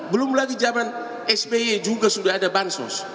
belum lagi zaman sby juga sudah ada bansos